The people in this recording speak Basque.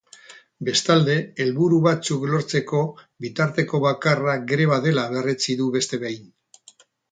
Bestalde, helburu batzuk lortzeko bitarteko bakarra greba dela berretsi du beste behin.